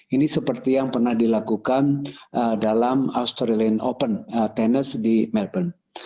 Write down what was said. ini seperti yang pernah dilakukan dalam australian open tenis di melbourne